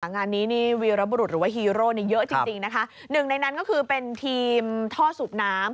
งานนี้นี่วีรบุรุษหรือว่าฮีโร่เนี่ยเยอะจริงจริงนะคะหนึ่งในนั้นก็คือเป็นทีมท่อสูบน้ำ